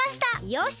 よし。